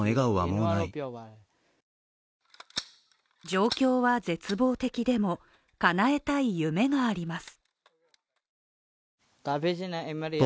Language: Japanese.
状況は絶望的でもかなえたい夢があります。